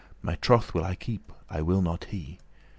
My trothe will I keep, I will not he."